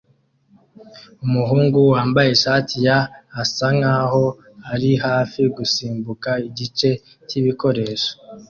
Umuhungu wambaye ishati ya asa nkaho ari hafi gusimbuka igice cyibikoresho